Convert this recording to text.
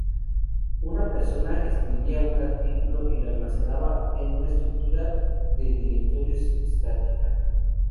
Una persona escribía un artículo y lo almacenaba en una estructura de directorios estática.